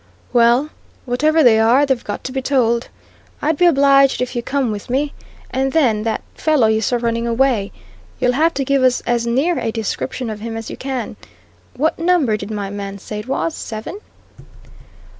"Well, whatever they are, they've got to be told. I'd be obliged if you'd come with me. And then that fellow you saw running away! You'll have to give us as near a description of him as you can. What number did my man say it was seven?"